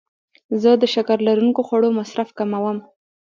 زه د شکر لرونکو خوړو مصرف کموم.